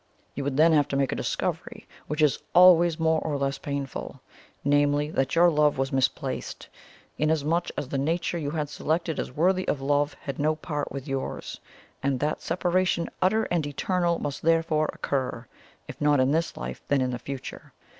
You would then have to make a discovery, which is always more or less painful namely, that your love was misplaced, inasmuch as the nature you had selected as worthy of love had no part with yours; and that separation utter and eternal must therefore occur, if not in this life, then in the future.